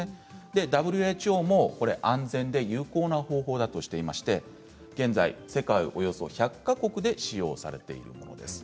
ＷＨＯも安全で有効な方法だとしていまして現在、世界およそ１００か国で使用されているんです。